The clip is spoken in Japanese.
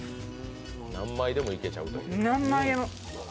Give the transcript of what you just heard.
何枚でもいけちゃうという。